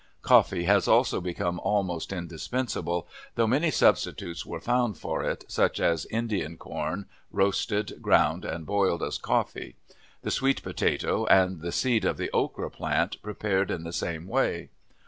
Coffee has also become almost indispensable, though many substitutes were found for it, such as Indian corn, roasted, ground, and boiled as coffee; the sweet potato, and the seed of the okra plant prepared in the same way.